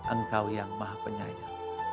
engkau yang maha penyayang